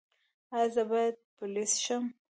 ایا زه باید پولیس شم؟